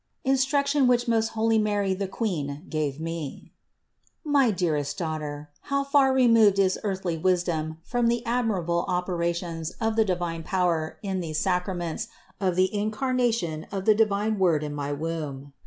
INSTRUCTION WHICH MOST HOLY MARY, THE QUEEN, GAVE ME. 96. My dearest daughter, how far removed is worldly wisdom from the admirable operations of the divine power in these sacraments of the Incarnation of the divine Word in my womb